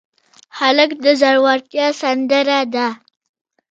هلک د زړورتیا سندره ده.